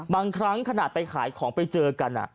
บางครั้งขนาดไปขายของไปเจอกัน